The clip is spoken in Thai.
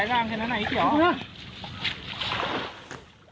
เพียงอีกหรอ